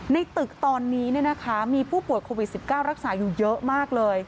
ในตึกตอนนี้มีผู้ป่วยโควิด๑๙รักษาอยู่เยอะมากเลย